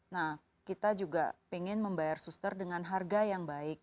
nah kita juga ingin membayar suster dengan harga yang baik